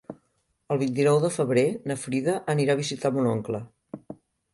El vint-i-nou de febrer na Frida anirà a visitar mon oncle.